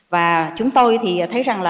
và chúng tôi thì thấy rằng là